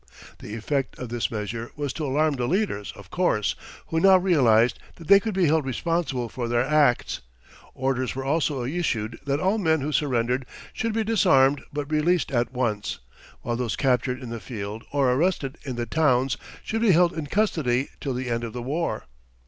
The effect of this measure was to alarm the leaders, of course, who now realized that they could be held responsible for their acts. Orders were also issued that all men who surrendered should be disarmed but released at once, while those captured in the field or arrested in the towns should be held in custody till the end of the war.